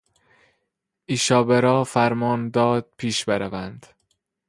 ایشابرا فرمان داد پیش بروند